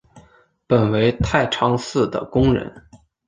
本为太常寺的工人。